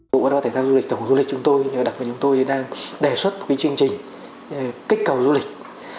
bộ bản đoàn thể thao du lịch tổng hợp du lịch chúng tôi đặt vào chúng tôi để đang đề xuất một cái chương trình kích cầu du lịch